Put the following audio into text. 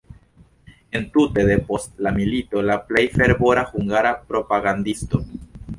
Entute depost la milito la plej fervora hungara propagandisto.